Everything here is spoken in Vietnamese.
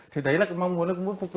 thế đấy là cái mong muốn